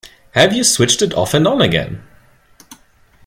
Have you switched it off and on again?